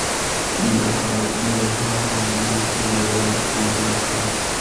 د ننګرهار والي پر يووالي ټينګار وکړ.